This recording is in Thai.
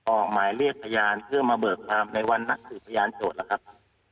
ออกหมายเรียกพยานเพื่อมาเบิกความในวันนักสืบพยานโจทย์แล้วครับ